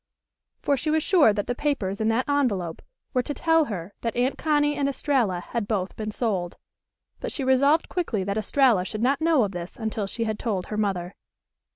For she was sure that the papers in that envelope were to tell her that Aunt Connie and Estralla had both been sold. But she resolved quickly that Estralla should not know of this until she had told her mother.